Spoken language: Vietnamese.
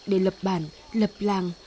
để lập bản lập làng